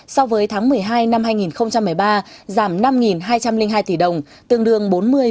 so với tháng một mươi hai năm hai nghìn một mươi ba giảm năm hai trăm linh hai tỷ đồng tương đương bốn mươi năm mươi